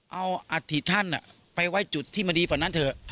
เอาอัฐิท่านไปไว้จุดที่มันดีกว่านั้นเถอะ